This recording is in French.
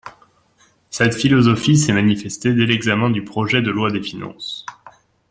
Cette philosophie s’est manifestée dès l’examen du projet de loi de finances.